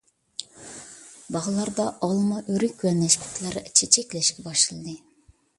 باغلاردا ئالما، ئۆرۈك ۋە نەشپۈتلەر چېچەكلەشكە باشلىدى.